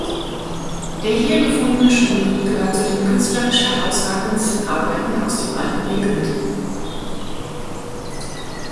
Der hier gefundene Schmuck gehört zu den künstlerisch herausragendsten Arbeiten aus dem Alten Ägypten.